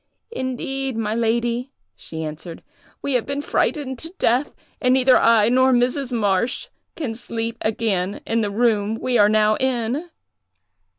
'Indeed, my lady,' she answered, 'we have been frightened to death, and neither I nor Mrs. Marsh can sleep again in the room we are now in.